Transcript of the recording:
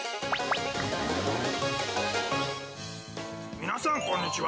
皆さん、こんにちは。